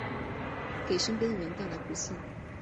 给身边的人带来不幸